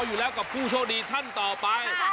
อยู่แล้วกับผู้โชคดีท่านต่อไป